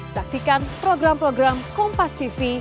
saksikan program program kompas tv